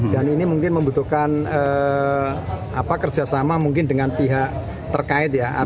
dan ini mungkin membutuhkan kerjasama mungkin dengan pihak terkait ya